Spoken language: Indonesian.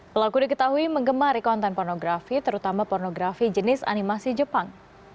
pelaku diketahui mengemari konten pornografi terutama pornografi jenis animasi jepang